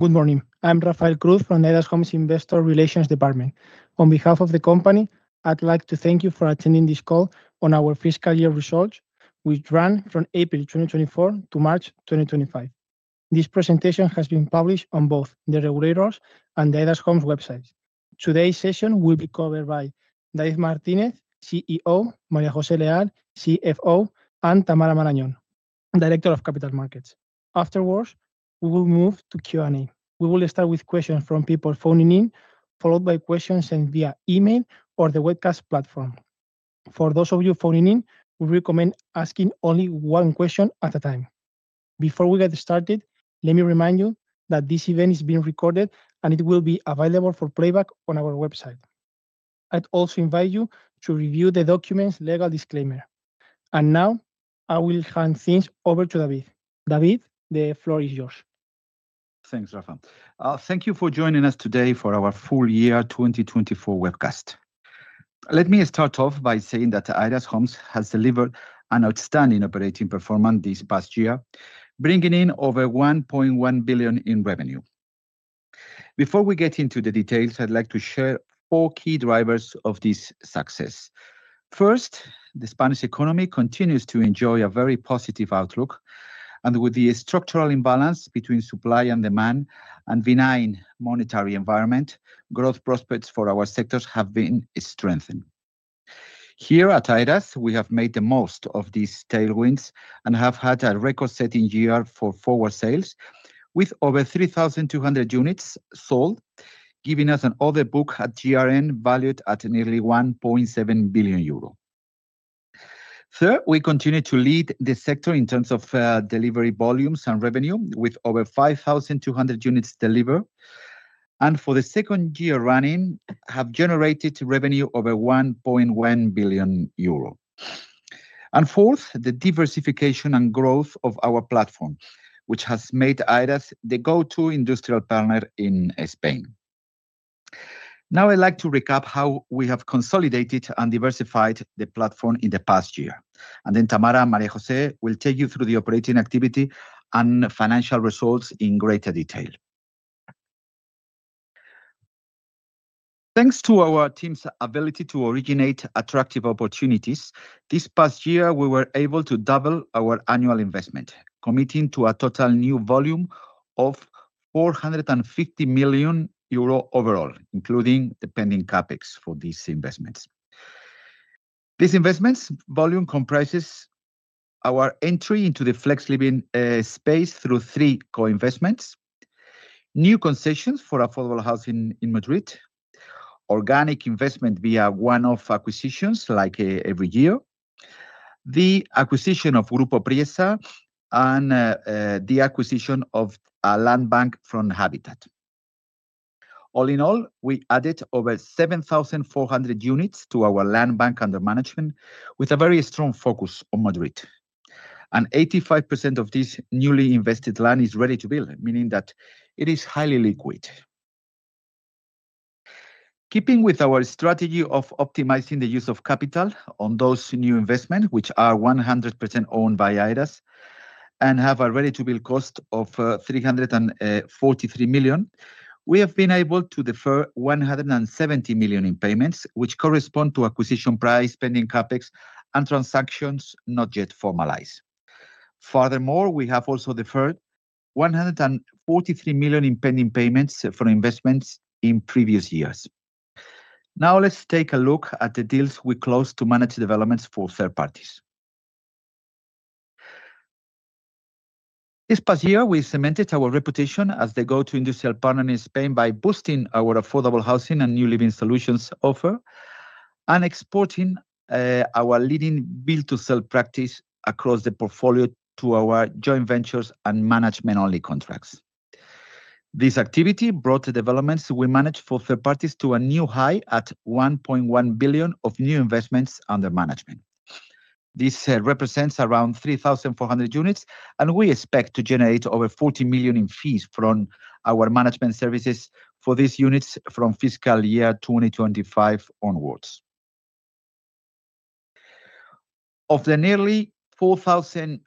Good morning. I'm Rafael Cruz from Aedas Homes' Investor Relations Department. On behalf of the company, I'd like to thank you for attending this call on our fiscal year results, which ran from April 2024 to March 2025. This presentation has been published on both the regulator's and the Aedas Homes' websites. Today's session will be covered by David Martínez, CEO, María José Leal, CFO, and Tamara Marañón, Director of Capital Markets. Afterwards, we will move to Q&A. We will start with questions from people phoning in, followed by questions sent via email or the webcast platform. For those of you phoning in, we recommend asking only one question at a time. Before we get started, let me remind you that this event is being recorded and it will be available for playback on our website. I'd also invite you to review the document's legal disclaimer. Now, I will hand things over to David. David, the floor is yours. Thanks, Rafa. Thank you for joining us today for our full year 2024 webcast. Let me start off by saying that Aedas Homes has delivered an outstanding operating performance this past year, bringing in over 1.1 billion in revenue. Before we get into the details, I'd like to share four key drivers of this success. First, the Spanish economy continues to enjoy a very positive outlook, and with the structural imbalance between supply and demand and a benign monetary environment, growth prospects for our sectors have been strengthened. Here at Aedas, we have made the most of these tailwinds and have had a record-setting year for forward sales, with over 3,200 units sold, giving us an order book at GRN valued at nearly 1.7 billion euro. Third, we continue to lead the sector in terms of delivery volumes and revenue, with over 5,200 units delivered and, for the second year running, have generated revenue over 1.1 billion euro. Fourth, the diversification and growth of our platform, which has made Aedas Homes the go-to industrial partner in Spain. Now, I'd like to recap how we have consolidated and diversified the platform in the past year, and then Tamara and María José will take you through the operating activity and financial results in greater detail. Thanks to our team's ability to originate attractive opportunities, this past year we were able to double our annual investment, committing to a total new volume of 450 million euro overall, including the pending CapEx for these investments. This investment volume comprises our entry into the flex living space through three co-investments: new concessions for affordable housing in Madrid, organic investment via one-off acquisitions like every year, the acquisition of Grupo Priesta, and the acquisition of a land bank from Habitat. All in all, we added over 7,400 units to our land bank under management, with a very strong focus on Madrid. 85% of this newly invested land is ready to build, meaning that it is highly liquid. Keeping with our strategy of optimizing the use of capital on those new investments, which are 100% owned by Aedas and have a ready-to-build cost of 343 million, we have been able to defer 170 million in payments, which correspond to acquisition price, pending CapEx, and transactions not yet formalized. Furthermore, we have also deferred 143 million in pending payments from investments in previous years. Now, let's take a look at the deals we closed to manage developments for third parties. This past year, we cemented our reputation as the go-to industrial partner in Spain by boosting our affordable housing and new living solutions offer and exporting our leading build-to-sell practice across the portfolio to our joint ventures and management-only contracts. This activity brought the developments we managed for third parties to a new high at 1.1 billion of new investments under management. This represents around 3,400 units, and we expect to generate over 40 million in fees from our management services for these units from fiscal year 2025 onwards. Of the nearly 4,000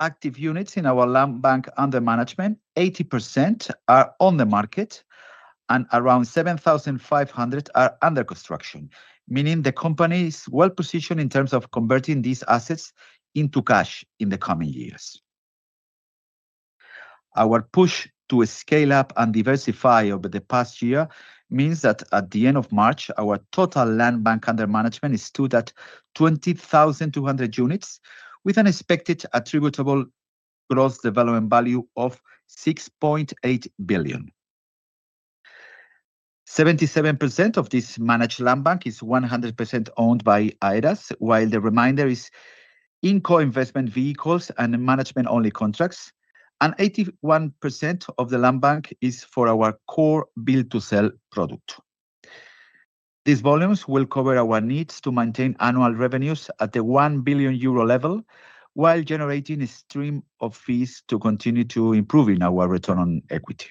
active units in our land bank under management, 80% are on the market and around 7,500 are under construction, meaning the company is well positioned in terms of converting these assets into cash in the coming years. Our push to scale up and diversify over the past year means that at the end of March, our total land bank under management is still at 20,200 units, with an expected attributable gross development value of 6.8 billion. 77% of this managed land bank is 100% owned by Aedas, while the remainder is in co-investment vehicles and management-only contracts, and 81% of the land bank is for our core build-to-sell product. These volumes will cover our needs to maintain annual revenues at the 1 billion euro level while generating a stream of fees to continue to improve our return on equity.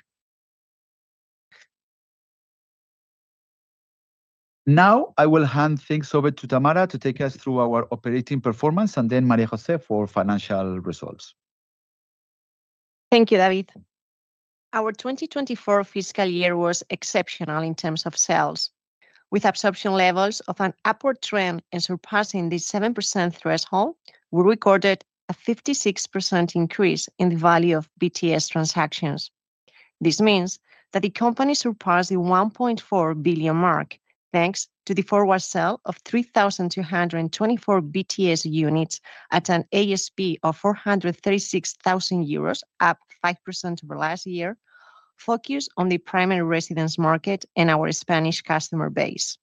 Now, I will hand things over to Tamara to take us through our operating performance and then María José for financial results. Thank you, David. Our 2024 fiscal year was exceptional in terms of sales. With absorption levels of an upward trend and surpassing the 7% threshold, we recorded a 56% increase in the value of BTS transactions. This means that the company surpassed the 1.4 billion mark, thanks to the forward sale of 3,224 BTS units at an ASP of 436,000 euros, up 5% over last year, focused on the primary residence market and our Spanish customer base.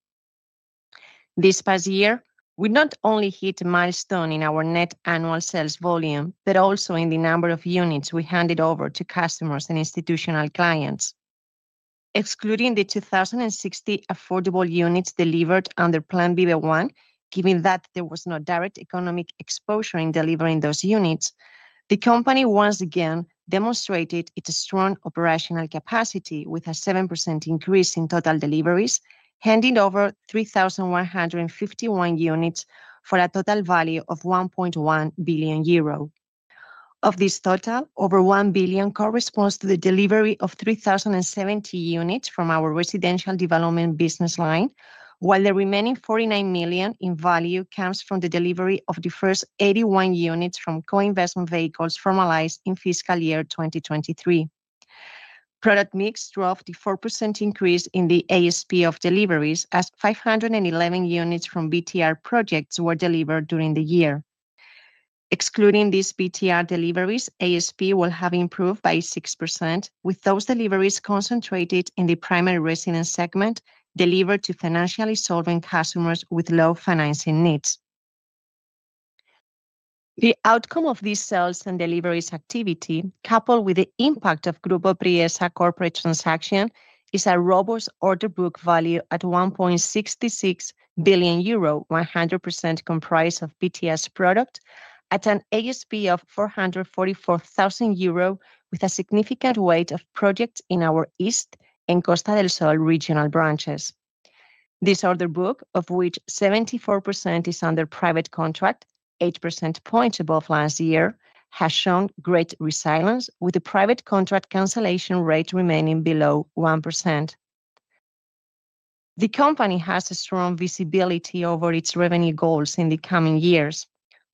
This past year, we not only hit a milestone in our net annual sales volume, but also in the number of units we handed over to customers and institutional clients. Excluding the 2,060 affordable units delivered under Plan Viva One, given that there was no direct economic exposure in delivering those units, the company once again demonstrated its strong operational capacity with a 7% increase in total deliveries, handing over 3,151 units for a total value of 1.1 billion euro. Of this total, over 1 billion corresponds to the delivery of 3,070 units from our residential development business line, while the remaining 49 million in value comes from the delivery of the first 81 units from co-investment vehicles formalized in fiscal year 2023. Product mix drove the 4% increase in the ASP of deliveries, as 511 units from BTR projects were delivered during the year. Excluding these BTR deliveries, ASP will have improved by 6%, with those deliveries concentrated in the primary residence segment delivered to financially solvent customers with low financing needs. The outcome of this sales and deliveries activity, coupled with the impact of the Grupo Priesta corporate transaction, is a robust order book value at 1.66 billion euro, 100% comprised of BTS product, at an ASP of 444,000 euro, with a significant weight of projects in our East and Costa del Sol regional branches. This order book, of which 74% is under private contract, eight percentage points above last year, has shown great resilience, with the private contract cancellation rate remaining below 1%. The company has a strong visibility over its revenue goals in the coming years.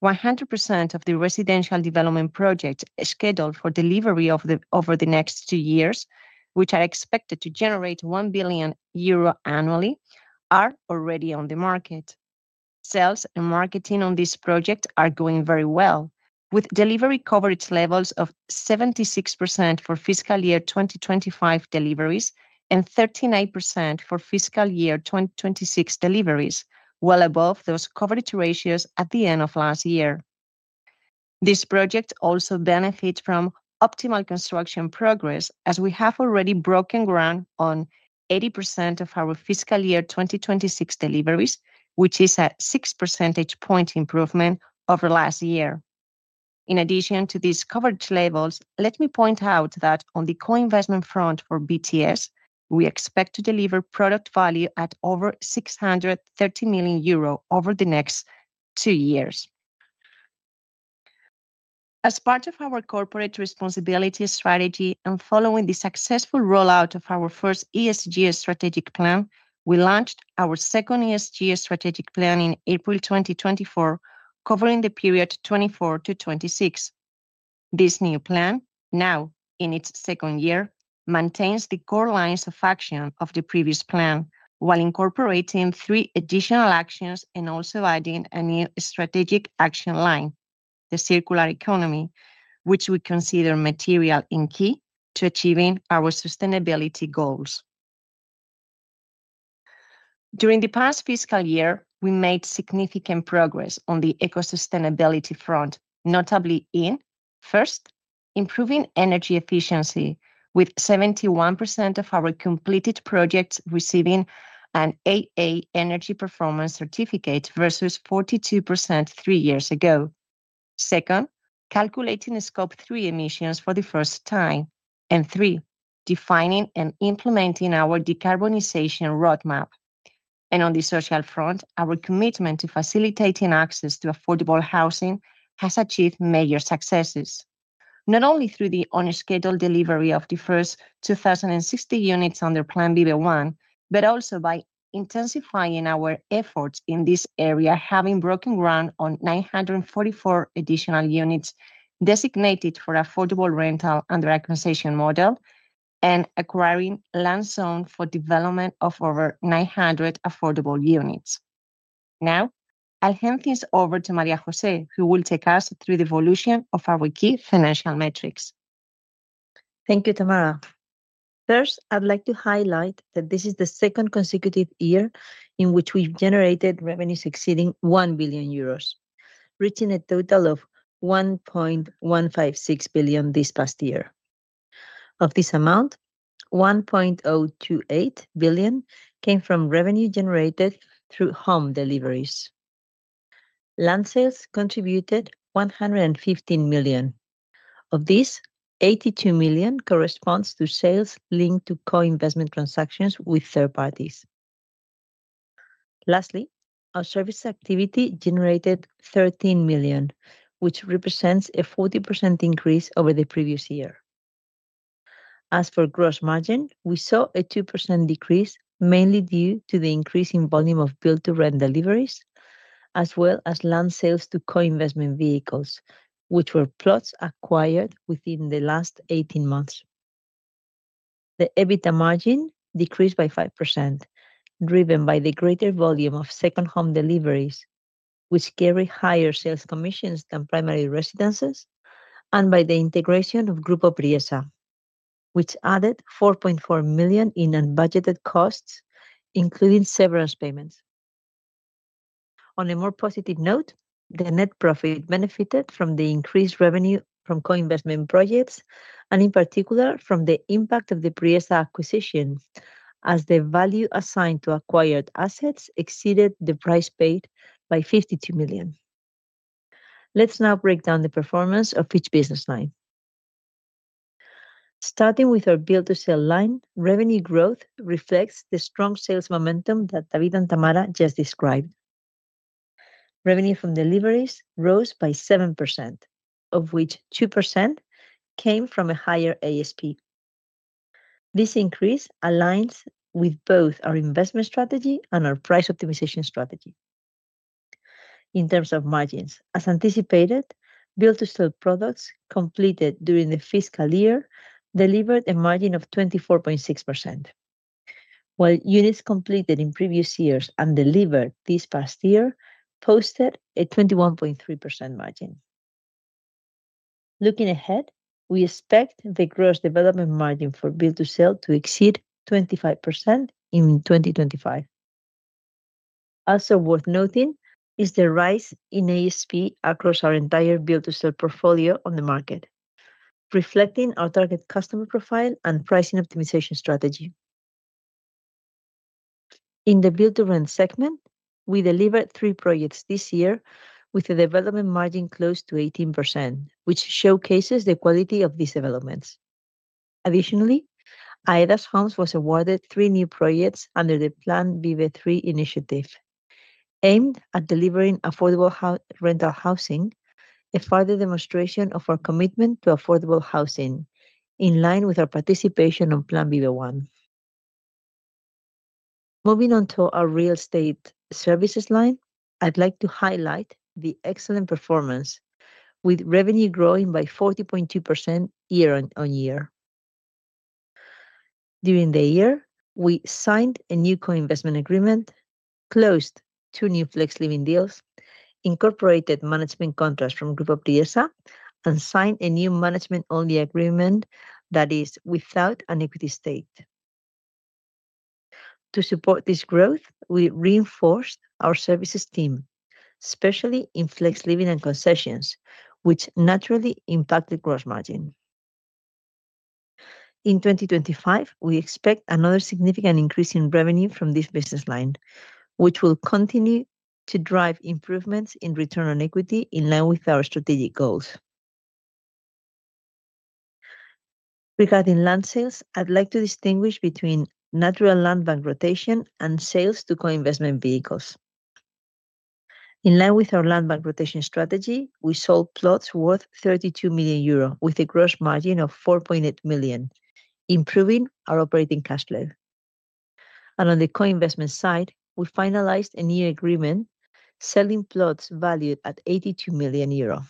100% of the residential development projects scheduled for delivery over the next two years, which are expected to generate 1 billion euro annually, are already on the market. Sales and marketing on these projects are going very well, with delivery coverage levels of 76% for fiscal year 2025 deliveries and 39% for fiscal year 2026 deliveries, well above those coverage ratios at the end of last year. This project also benefits from optimal construction progress, as we have already broken ground on 80% of our fiscal year 2026 deliveries, which is a six percentage point improvement over last year. In addition to these coverage levels, let me point out that on the co-investment front for BTS, we expect to deliver product value at over 630 million euro over the next two years. As part of our corporate responsibility strategy and following the successful rollout of our first ESG Strategic Plan, we launched our second ESG Strategic Plan in April 2024, covering the period 2024-2026. This new plan, now in its second year, maintains the core lines of action of the previous plan, while incorporating three additional actions and also adding a new strategic action line, the circular economy, which we consider material and key to achieving our sustainability goals. During the past fiscal year, we made significant progress on the eco-sustainability front, notably in: first, improving energy efficiency, with 71% of our completed projects receiving an AA energy performance certificate versus 42% three years ago, second, calculating Scope 3 emissions for the first time, and three, defining and implementing our decarbonization roadmap. On the social front, our commitment to facilitating access to affordable housing has achieved major successes, not only through the on-schedule delivery of the first 2,060 units under Plan Viva One, but also by intensifying our efforts in this area, having broken ground on 944 additional units designated for affordable rental under a concession model and acquiring land zoned for development of over 900 affordable units. Now, I'll hand things over to María José, who will take us through the evolution of our key financial metrics. Thank you, Tamara. First, I'd like to highlight that this is the second consecutive year in which we've generated revenues exceeding 1 billion euros, reaching a total of 1.156 billion this past year. Of this amount, 1.028 billion came from revenue generated through home deliveries. Land sales contributed 115 million. Of this, 82 million corresponds to sales linked to co-investment transactions with third parties. Lastly, our service activity generated 13 million, which represents a 40% increase over the previous year. As for gross margin, we saw a 2% decrease, mainly due to the increase in volume of build-to-rent deliveries, as well as land sales to co-investment vehicles, which were plots acquired within the last 18 months. The EBITDA margin decreased by 5%, driven by the greater volume of second home deliveries, which carry higher sales commissions than primary residences, and by the integration of Grupo Priesta, which added 4.4 million in unbudgeted costs, including severance payments. On a more positive note, the net profit benefited from the increased revenue from co-investment projects and, in particular, from the impact of the Priesta acquisition, as the value assigned to acquired assets exceeded the price paid by 52 million. Let's now break down the performance of each business line. Starting with our build-to-sell line, revenue growth reflects the strong sales momentum that David and Tamara just described. Revenue from deliveries rose by 7%, of which 2% came from a higher ASP. This increase aligns with both our investment strategy and our price optimization strategy. In terms of margins, as anticipated, build-to-sell products completed during the fiscal year delivered a margin of 24.6%, while units completed in previous years and delivered this past year posted a 21.3% margin. Looking ahead, we expect the gross development margin for build-to-sell to exceed 25% in 2025. Also worth noting is the rise in ASP across our entire build-to-sell portfolio on the market, reflecting our target customer profile and pricing optimization strategy. In the build-to-rent segment, we delivered three projects this year, with a development margin close to 18%, which showcases the quality of these developments. Additionally, Aedas Homes was awarded three new projects under the Plan Vivid Three initiative, aimed at delivering affordable rental housing, a further demonstration of our commitment to affordable housing in line with our participation on Plan Viva One. Moving on to our real estate services line, I'd like to highlight the excellent performance, with revenue growing by 40.2% year-on-year. During the year, we signed a new co-investment agreement, closed two new flex living deals, incorporated management contracts from Grupo Priesta, and signed a new management-only agreement that is without an equity stake. To support this growth, we reinforced our services team, especially in flex living and concessions, which naturally impacted gross margin. In 2025, we expect another significant increase in revenue from this business line, which will continue to drive improvements in return on equity in line with our strategic goals. Regarding land sales, I'd like to distinguish between natural land bank rotation and sales to co-investment vehicles. In line with our land bank rotation strategy, we sold plots worth 32 million euro, with a gross margin of 4.8 million, improving our operating cash flow. On the co-investment side, we finalized a new agreement, selling plots valued at 82 million euro.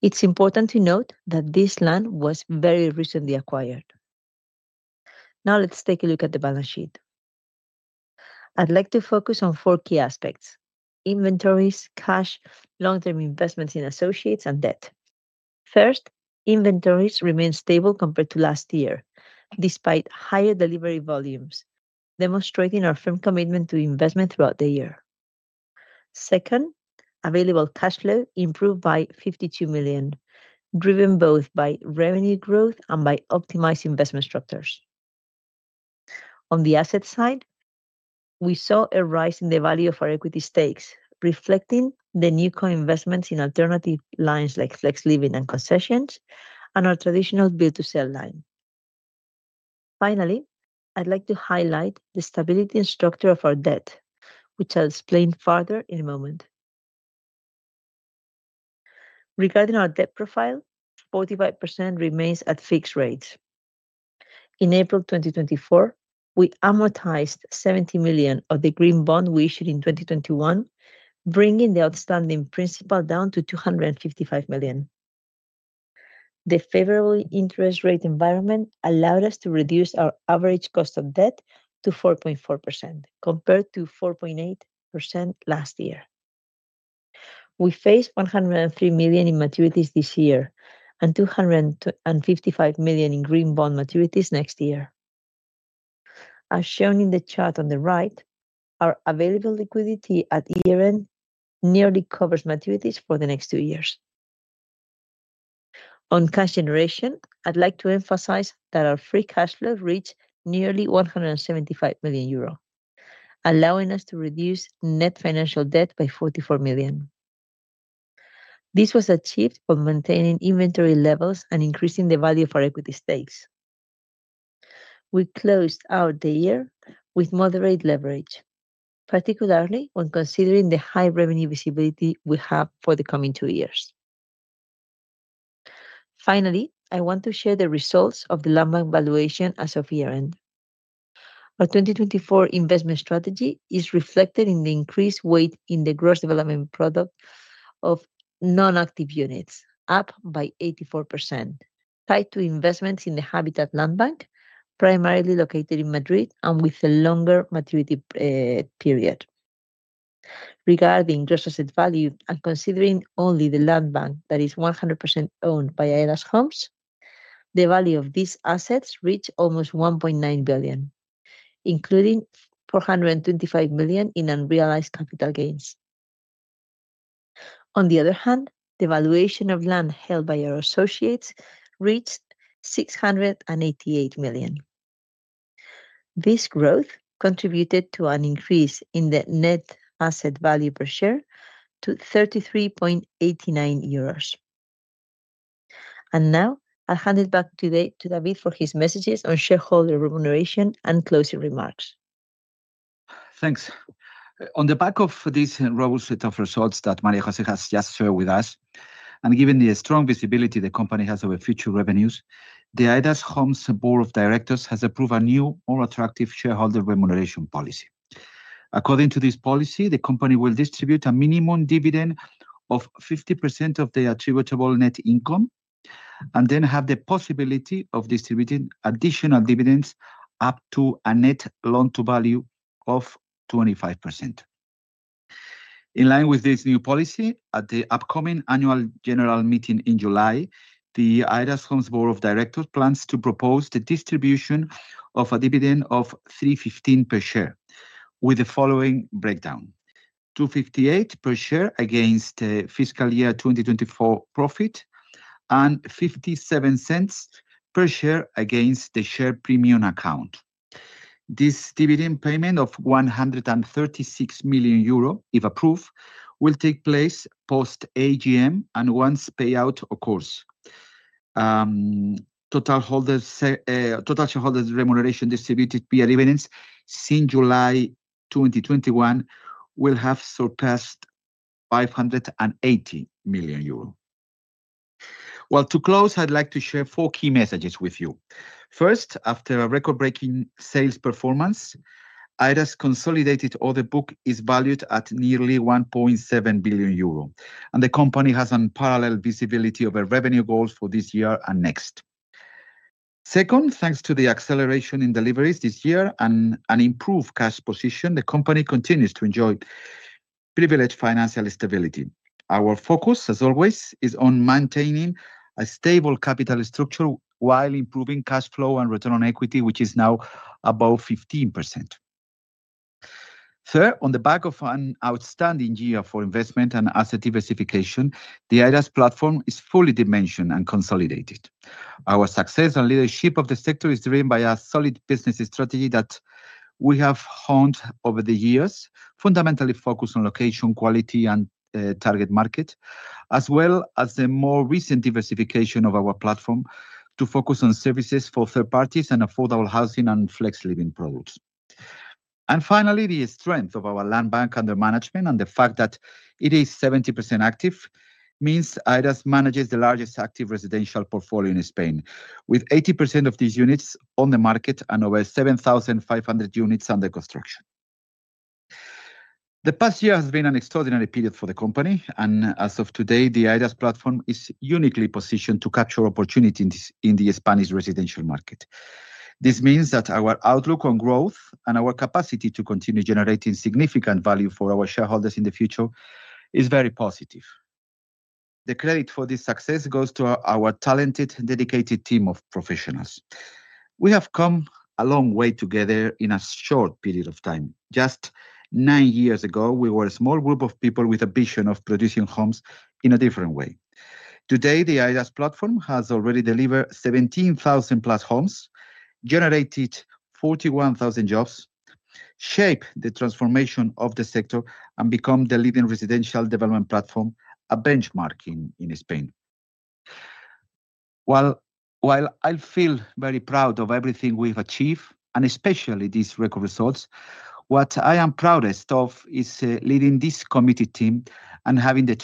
It's important to note that this land was very recently acquired. Now, let's take a look at the balance sheet. I'd like to focus on four key aspects, inventories, cash, long-term investments in associates, and debt. First, inventories remain stable compared to last year, despite higher delivery volumes, demonstrating our firm commitment to investment throughout the year. Second, available cash flow improved by 52 million, driven both by revenue growth and by optimized investment structures. On the asset side, we saw a rise in the value of our equity stakes, reflecting the new co-investments in alternative lines like flex living and concessions and our traditional build-to-sell line. Finally, I'd like to highlight the stability and structure of our debt, which I'll explain further in a moment. Regarding our debt profile, 45% remains at fixed rates. In April 2024, we amortized 70 million of the green bond we issued in 2021, bringing the outstanding principal down to 255 million. The favorable interest rate environment allowed us to reduce our average cost of debt to 4.4%, compared to 4.8% last year. We face 103 million in maturities this year and 255 million in green bond maturities next year. As shown in the chart on the right, our available liquidity at year-end nearly covers maturities for the next two years. On cash generation, I'd like to emphasize that our free cash flow reached nearly 175 million euro, allowing us to reduce net financial debt by 44 million. This was achieved by maintaining inventory levels and increasing the value of our equity stakes. We closed out the year with moderate leverage, particularly when considering the high revenue visibility we have for the coming two years. Finally, I want to share the results of the land bank valuation as of year-end. Our 2024 investment strategy is reflected in the increased weight in the gross development product of non-active units, up by 84%, tied to investments in the Habitat land bank, primarily located in Madrid and with a longer maturity period. Regarding gross asset value, and considering only the land bank that is 100% owned by Aedas Homes, the value of these assets reached almost 1.9 billion, including 425 million in unrealized capital gains. On the other hand, the valuation of land held by our associates reached 688 million. This growth contributed to an increase in the net asset value per share to 33.89 euros. Now, I'll hand it back today to David for his messages on shareholder remuneration and closing remarks. Thanks. On the back of this robust set of results that María José has just shared with us, and given the strong visibility the company has over future revenues, the Aedas Homes Board of Directors has approved a new, more attractive shareholder remuneration policy. According to this policy, the company will distribute a minimum dividend of 50% of their attributable net income and then have the possibility of distributing additional dividends up to a net loan-to-value of 25%. In line with this new policy, at the upcoming annual general meeting in July, the Aedas Homes Board of Directors plans to propose the distribution of a dividend of 3.15 per share, with the following breakdown: 2.58 per share against the fiscal year 2024 profit and 0.57 per share against the share premium account. This dividend payment of 136 million euro, if approved, will take place post-AGM and once payout occurs. Total shareholders' remuneration distributed via dividends since July 2021 will have surpassed 580 million euro. To close, I'd like to share four key messages with you. First, after a record-breaking sales performance, Aedas Homes has consolidated all the book is valued at nearly 1.7 billion euro, and the company has unparalleled visibility over revenue goals for this year and next. Second, thanks to the acceleration in deliveries this year and an improved cash position, the company continues to enjoy privileged financial stability. Our focus, as always, is on maintaining a stable capital structure while improving cash flow and return on equity, which is now above 15%. Third, on the back of an outstanding year for investment and asset diversification, the Aedas platform is fully dimensioned and consolidated. Our success and leadership of the sector is driven by a solid business strategy that we have honed over the years, fundamentally focused on location, quality, and target market, as well as the more recent diversification of our platform to focus on services for third parties and affordable housing and flex living products. Finally, the strength of our land bank under management and the fact that it is 70% active means Aedas manages the largest active residential portfolio in Spain, with 80% of these units on the market and over 7,500 units under construction. The past year has been an extraordinary period for the company, and as of today, the Aedas platform is uniquely positioned to capture opportunities in the Spanish residential market. This means that our outlook on growth and our capacity to continue generating significant value for our shareholders in the future is very positive. The credit for this success goes to our talented, dedicated team of professionals. We have come a long way together in a short period of time. Just nine years ago, we were a small group of people with a vision of producing homes in a different way. Today, the Aedas platform has already delivered 17,000 plus homes, generated 41,000 jobs, shaped the transformation of the sector, and become the leading residential development platform, a benchmark in Spain. While I feel very proud of everything we've achieved, and especially these record results, what I am proudest of is leading this committee team and having the.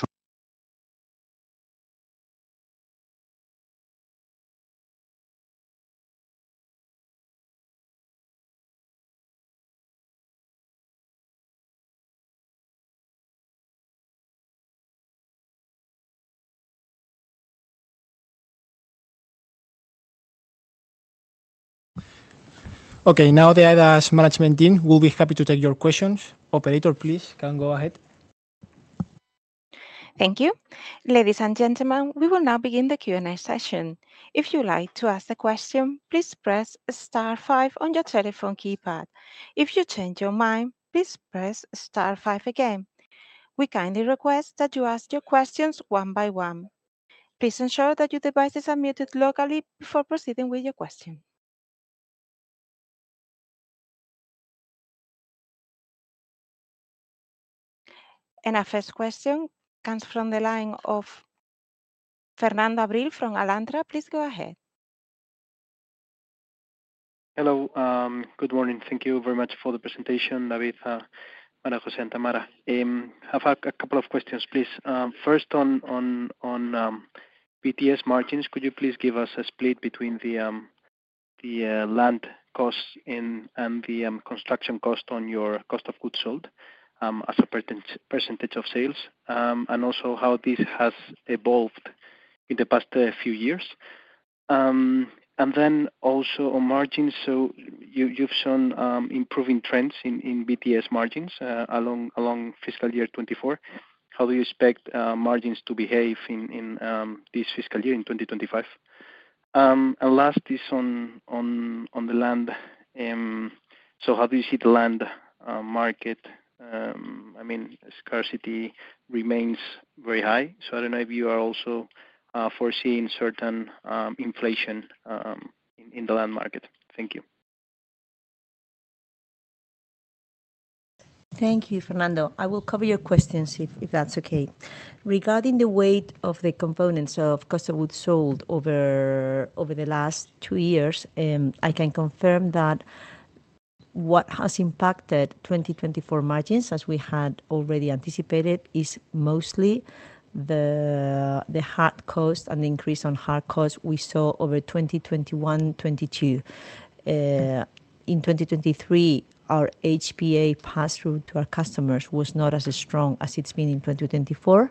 Okay, now the Aedas management team will be happy to take your questions. Operator, please, can go ahead. Thank you. Ladies and gentlemen, we will now begin the Q&A session. If you'd like to ask a question, please press star five on your telephone keypad. If you change your mind, please press star five again. We kindly request that you ask your questions one by one. Please ensure that your device is unmuted locally before proceeding with your question. Our first question comes from the line of Fernando Abril from Alantra. Please go ahead. Hello, good morning. Thank you very much for the presentation, David, María José, and Tamara. I have a couple of questions, please. First, on BTS margins, could you please give us a split between the land cost and the construction cost on your cost of goods sold as a percentage of sales, and also how this has evolved in the past few years? Also, on margins, you have shown improving trends in BTS margins along fiscal year 2024. How do you expect margins to behave in this fiscal year, in 2025? Last is on the land. How do you see the land market? I mean, scarcity remains very high, so I do not know if you are also foreseeing certain inflation in the land market. Thank you. Thank you, Fernando. I will cover your questions if that's okay. Regarding the weight of the components of cost of goods sold over the last two years, I can confirm that what has impacted 2024 margins, as we had already anticipated, is mostly the hard cost and the increase on hard cost we saw over 2021-2022. In 2023, our HPA pass-through to our customers was not as strong as it's been in 2024,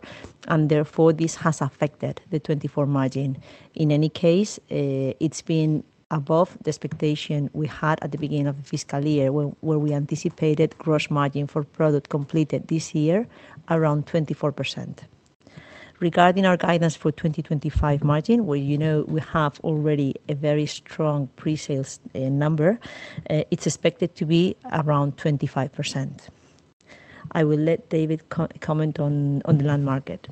and therefore this has affected the 2024 margin. In any case, it's been above the expectation we had at the beginning of the fiscal year, where we anticipated gross margin for product completed this year around 24%. Regarding our guidance for 2025 margin, where you know we have already a very strong pre-sales number, it's expected to be around 25%. I will let David comment on the land market.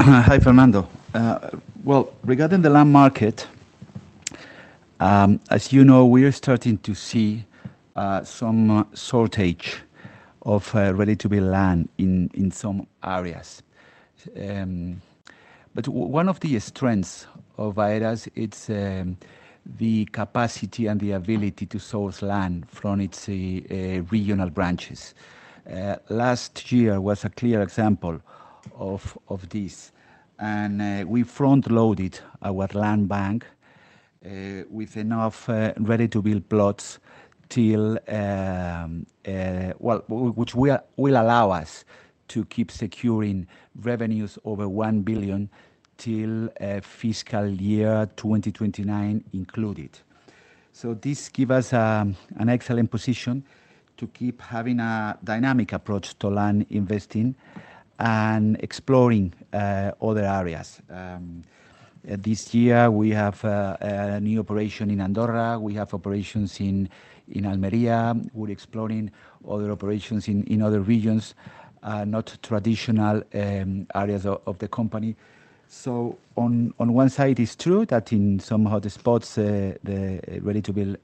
Hi, Fernando. Regarding the land market, as you know, we are starting to see some shortage of ready-to-be land in some areas. One of the strengths of Aedas Homes is the capacity and the ability to source land from its regional branches. Last year was a clear example of this, and we front-loaded our land bank with enough ready-to-be plots, which will allow us to keep securing revenues over 1 billion till fiscal year 2029 included. This gives us an excellent position to keep having a dynamic approach to land investing and exploring other areas. This year, we have a new operation in Andorra. We have operations in Almería. We are exploring other operations in other regions, not traditional areas of the company. On one side, it is true that in some hotspots, the ready to be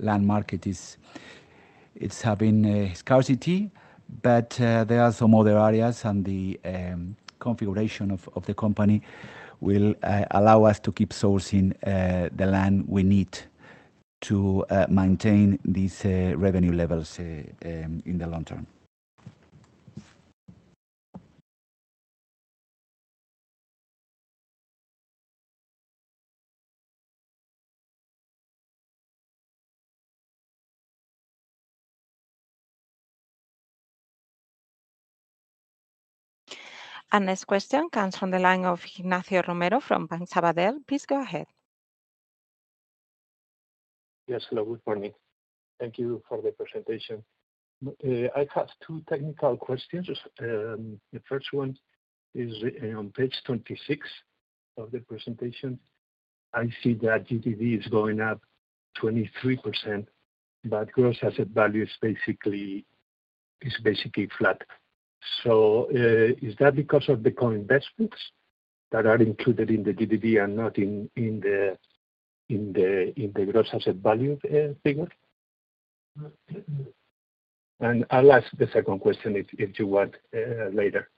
land market is having scarcity, but there are some other areas, and the configuration of the company will allow us to keep sourcing the land we need to maintain these revenue levels in the long-term. This question comes from the line of Ignacio Romero from Banco Sabadell. Please go ahead. Yes, hello. Good morning. Thank you for the presentation. I have two technical questions. The first one is on page 26 of the presentation. I see that GDV is going up 23%, but gross asset value is basically flat. Is that because of the co-investments that are included in the GDV and not in the gross asset value figure? I'll ask the second question if you want later.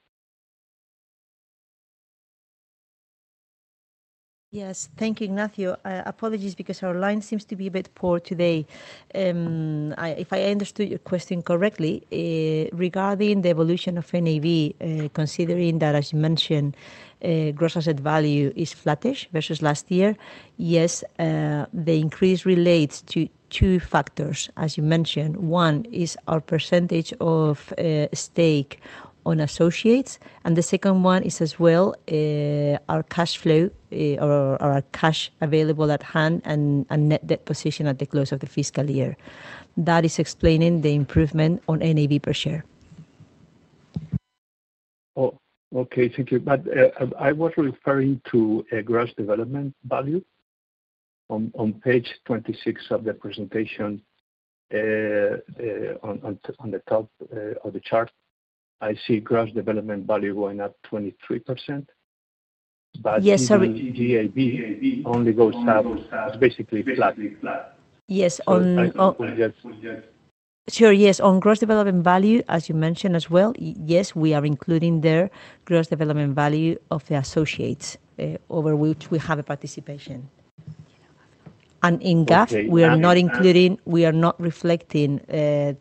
Yes, thank you, Ignacio. Apologies because our line seems to be a bit poor today. If I understood your question correctly, regarding the evolution of NAV, considering that, as you mentioned, gross asset value is flattish versus last year, yes, the increase relates to two factors, as you mentioned. One is our percentage of stake on associates, and the second one is as well our cash flow or our cash available at hand and net debt position at the close of the fiscal year. That is explaining the improvement on NAV per share. Okay, thank you. I was referring to gross development value. On page 26 of the presentation, at the top of the chart, I see gross development value going up 23%, but GDV only goes up, basically flat. Yes, on. On. Sure, yes. On gross development value, as you mentioned as well, yes, we are including there gross development value of the associates over which we have a participation. In GAV, we are not including, we are not reflecting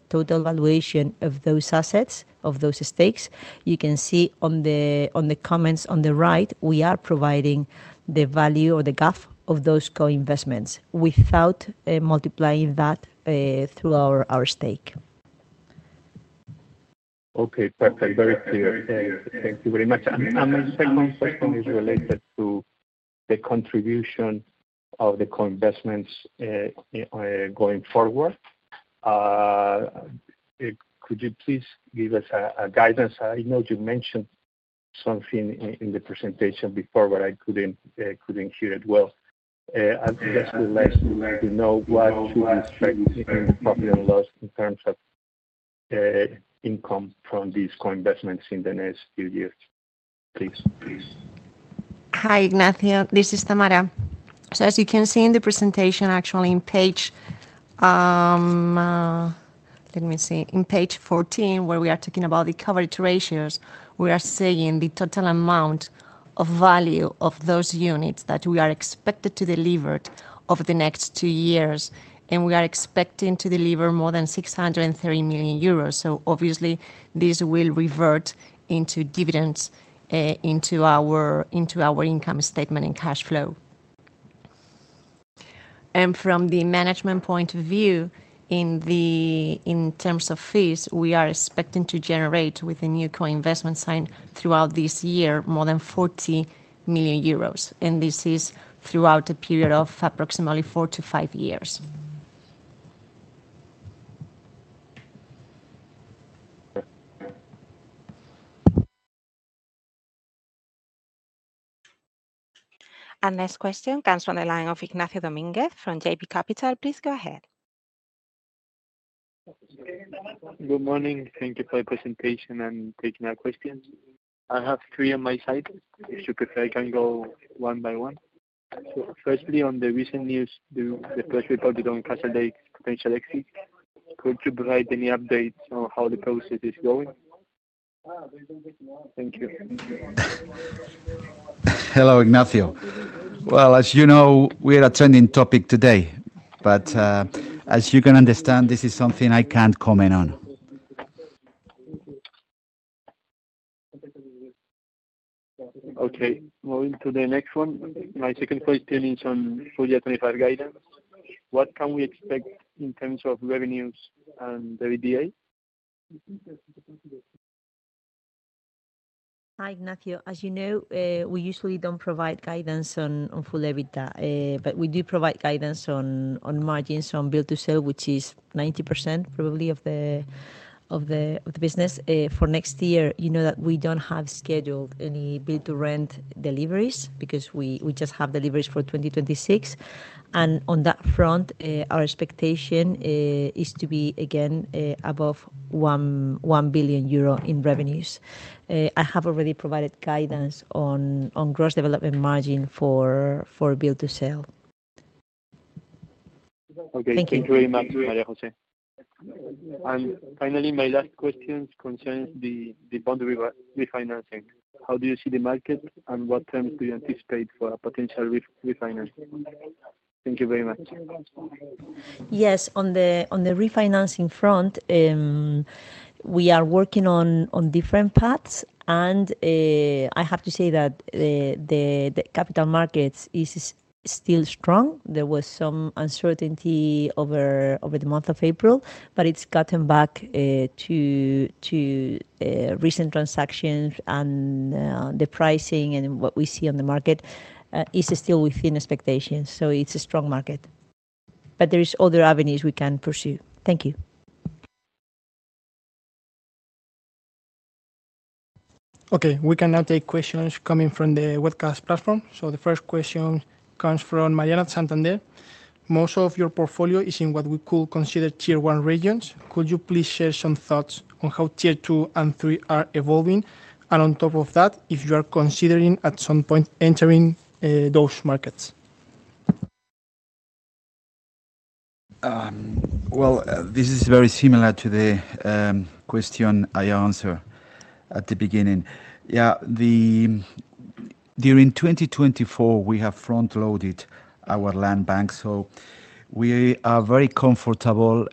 total valuation of those assets, of those stakes. You can see on the comments on the right, we are providing the value or the GAV of those co-investments without multiplying that through our stake. Okay, perfect. Very clear. Thank you very much. My second question is related to the contribution of the co-investments going forward. Could you please give us a guidance? I know you mentioned something in the presentation before, but I could not hear it well. I would just like to know what should be expected in profit and loss in terms of income from these co-investments in the next few years, please. Hi, Ignacio. This is Tamara. As you can see in the presentation, actually in page, let me see, in page 14, where we are talking about the coverage ratios, we are saying the total amount of value of those units that we are expected to deliver over the next two years, and we are expecting to deliver more than 630 million euros. Obviously, this will revert into dividends into our income statement and cash flow. From the management point of view, in terms of fees, we are expecting to generate with the new co-investment signed throughout this year more than 40 million euros, and this is throughout a period of approximately four to five years. This question comes from the line of Ignacio Domínguez from JP Capital. Please go ahead. Good morning. Thank you for the presentation and taking our questions. I have three on my side. If you prefer, I can go one by one. Firstly, on the recent news, the the press report you don’t cancel potential exit. Could you provide any updates on how the process is going? Thank you. Hello, Ignacio. As you know, we are a trending topic today, but as you can understand, this is something I can't comment on. Okay. Moving to the next one. My second question is on full year 2025 guidance. What can we expect in terms of revenues and the EBITDA? Hi, Ignacio. As you know, we usually don't provide guidance on full EBITDA, but we do provide guidance on margins on build-to-sell, which is 90% probably of the business. For next year, you know that we don't have scheduled any build-to-rent deliveries because we just have deliveries for 2026. On that front, our expectation is to be, again, above 1 billion euro in revenues. I have already provided guidance on gross development margin for build-to-sell. Okay. Thank you very much, María José. Finally, my last question concerns the bond refinancing. How do you see the market, and what terms do you anticipate for a potential refinancing? Thank you very much. Yes, on the refinancing front, we are working on different paths, and I have to say that the capital markets are still strong. There was some uncertainty over the month of April, but it has gotten back to recent transactions, and the pricing and what we see on the market is still within expectations. It is a strong market, but there are other avenues we can pursue. Thank you. Okay, we can now take questions coming from the webcast platform. The first question comes from Mariana Santander. Most of your portfolio is in what we could consider tier one regions. Could you please share some thoughts on how tier two and three are evolving, and on top of that, if you are considering at some point entering those markets? This is very similar to the question I answered at the beginning. Yeah, during 2024, we have front-loaded our land bank, so we are very comfortable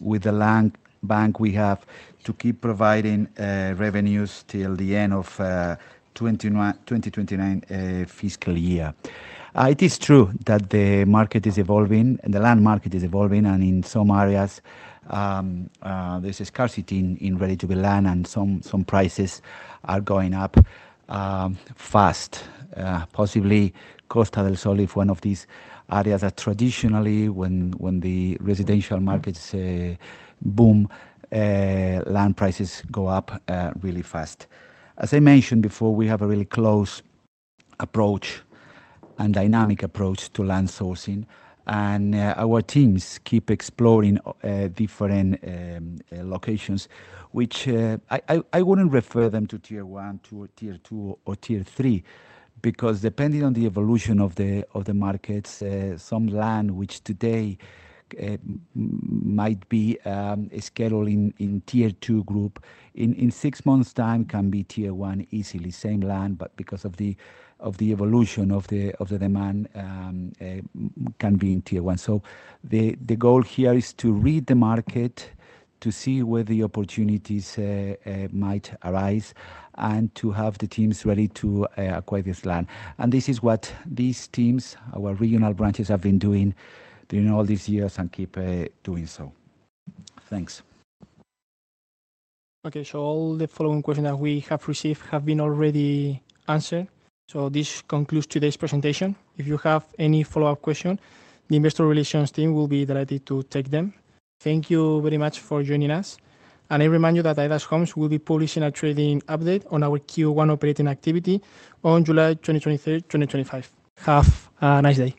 with the land bank we have to keep providing revenues till the end of the 2029 fiscal year. It is true that the market is evolving, and the land market is evolving, and in some areas, there's a scarcity in ready-to-be land, and some prices are going up fast, possibly Costa del Sol is one of these areas that traditionally, when the residential markets boom, land prices go up really fast. As I mentioned before, we have a really close approach and dynamic approach to land sourcing, and our teams keep exploring different locations, which I would not refer to as tier one or tier two or tier three because depending on the evolution of the markets, some land which today might be scheduled in the tier two group, in six months' time can be tier one easily, same land, but because of the evolution of the demand, can be in tier one. The goal here is to read the market, to see where the opportunities might arise, and to have the teams ready to acquire this land. This is what these teams, our regional branches, have been doing all these years and keep doing so. Thanks. Okay, all the following questions that we have received have been already answered. This concludes today's presentation. If you have any follow-up questions, the investor relations team will be delighted to take them. Thank you very much for joining us. I remind you that Aedas Homes will be publishing a trading update on our Q1 operating activity on July 2023. Have a nice day.